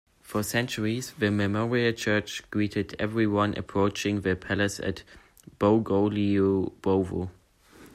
For centuries, the memorial church greeted everyone approaching the palace at Bogolyubovo.